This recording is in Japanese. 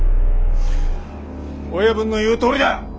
親分の言うとおりだ！